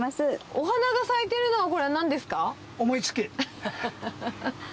お花が咲いてるのは、これは思いつき。